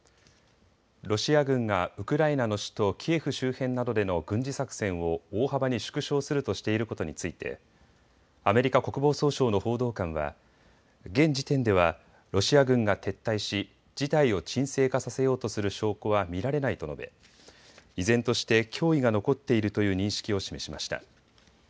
ロシア軍がウクライナの首都キエフ周辺などでの軍事作戦を大幅に縮小するとしていることについてアメリカ国防総省の報道官は現時点ではロシア軍が撤退し事態を沈静化させようとする証拠は見られないと述べ依然として脅威が残っているという認識を示しました。